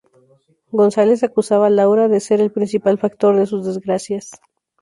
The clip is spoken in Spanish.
González acusaba a Laura de ser el principal factor de sus desgracias.